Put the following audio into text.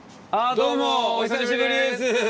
どうもお久しぶりです。